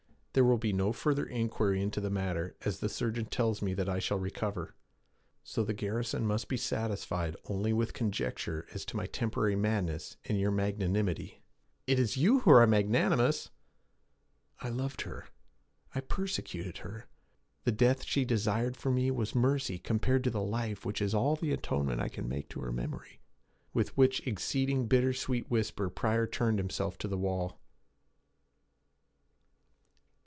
There will be no further inquiry into the matter, as the surgeon tells me that I shall recover. So the garrison must be satisfied only with conjecture as to my temporary madness and your magnanimity.' 'It is you who are magnanimous!' 'I loved her; I persecuted her! The death she desired for me was mercy compared to the life which is all the atonement I can make to her memory.' With which exceeding bitter whisper Pryor turned himself to the wall.